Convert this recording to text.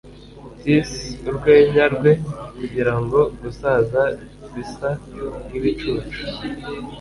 Tis urwenya rwe kugirango gusaza bisa nkibicucu